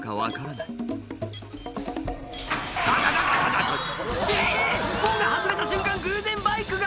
えぇ⁉門が外れた瞬間偶然バイクが！